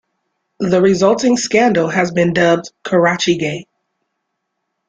The resulting scandal has been dubbed "Karachigate".